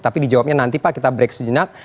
tapi dijawabnya nanti pak kita break sejenak